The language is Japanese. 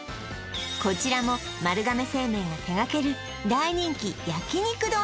こちらも丸亀製麺が手がける大人気焼肉丼